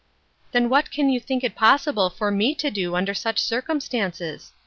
" Then what can you think it possible for me to do under such circumstances